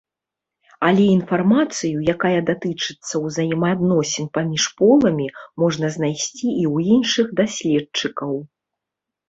Але інфармацыю, якая датычыцца ўзаемаадносін паміж поламі, можна знайсці і ў іншых даследчыкаў.